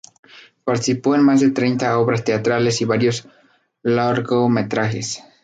Participó en más de treinta obras teatrales y varios largometrajes.